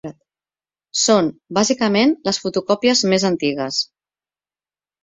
Són, bàsicament, les fotocòpies més antigues.